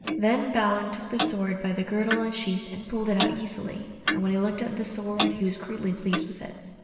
Then Balin took the sword by the girdle and sheath, and pulled it out easily, and when he looked at the sword he was greatly pleased with it.